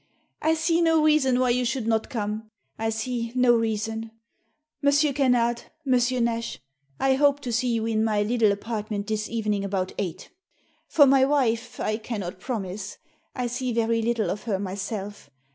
I see no reason why you should not come — I see no reasoa M. Kennard — M. Nash — I hope to see you in my little apartment this evening about eight. For my wife, I cannot promise; I see very little of her myself.